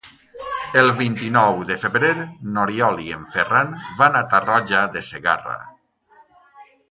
El vint-i-nou de febrer n'Oriol i en Ferran van a Tarroja de Segarra.